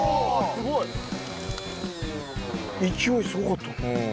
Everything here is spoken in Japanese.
すごい！勢いすごかった。